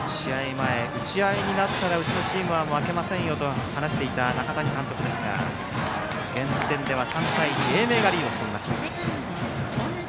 前、打ち合いになったらうちのチームは負けませんよと話していた中谷監督ですが現時点では３対１で英明がリードしています。